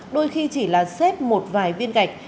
đôi khi chỉ là xếp một vài viên gạch